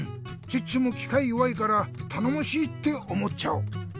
チッチもきかいよわいからたのもしいっておもっちゃう。